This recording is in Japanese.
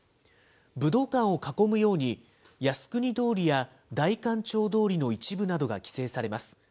武道館を囲むように、靖国通りや代官町通りの一部などが規制されます。